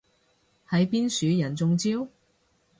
係邊樹人中招？